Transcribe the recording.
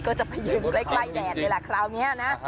ก็จะไปยืนใกล้แดดเลยล่ะคราวนี้นะ